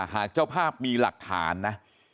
เจ้าภาพมีหลักฐานนะ